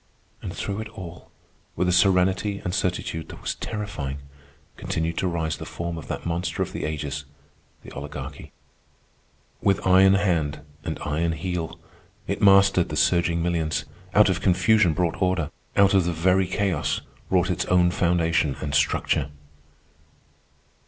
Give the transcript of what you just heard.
And through it all, with a serenity and certitude that was terrifying, continued to rise the form of that monster of the ages, the Oligarchy. With iron hand and iron heel it mastered the surging millions, out of confusion brought order, out of the very chaos wrought its own foundation and structure.